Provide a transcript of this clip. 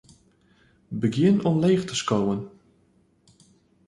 Begjin omleech te skowen.